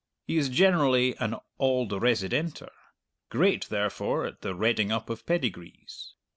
He is generally an "auld residenter;" great, therefore, at the redding up of pedigrees.